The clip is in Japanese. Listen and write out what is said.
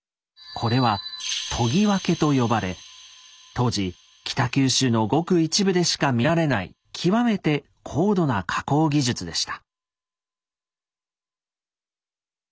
これは「研ぎ分け」と呼ばれ当時北九州のごく一部でしか見られない極めて高度な加工技術でした。